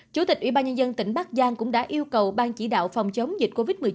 chủ tịch ủy ban nhân dân tỉnh bắc giang cũng đã yêu cầu ban chỉ đạo phòng chống dịch covid một mươi chín